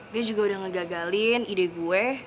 dia juga udah ngegagalin ide gue